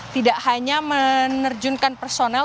tidak hanya menerjunkan personel